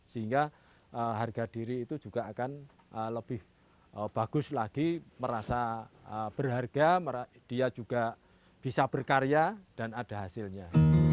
sehingga harga diri itu juga akan lebih bagus lagi merasa berharga dia juga bisa berkarya dan ada hasilnya